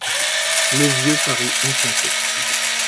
Le vieux parut enchanté.